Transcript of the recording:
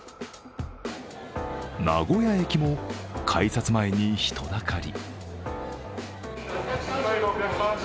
名古屋駅も改札前に人だかり。